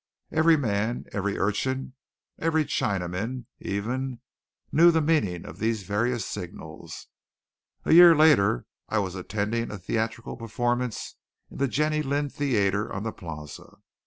Every man, every urchin, every Chinaman, even, knew the meaning of these various signals. A year later, I was attending a theatrical performance in the Jenny Lind Theatre on the Plaza.